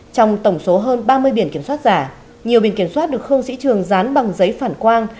trong tổng số hơn ba mươi biển kiểm soát giả nhiều biển kiểm soát được khương sĩ trường dán bằng giấy phản quang